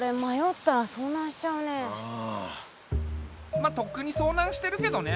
まっとっくにそうなんしてるけどね。